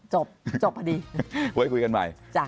จบจบพอดีเพราะคุยกันใหม่